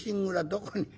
どこに。